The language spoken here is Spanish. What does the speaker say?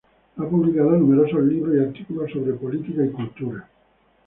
Ha publicado numerosos libros y artículos sobre política y cultura.